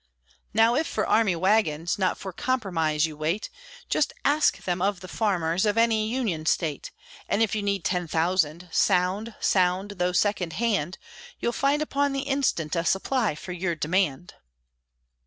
Now, if for army wagons, Not for compromise you wait, Just ask them of the farmers Of any Union state; And if you need ten thousand, Sound, sound, though second hand, You'll find upon the instant A supply for your demand.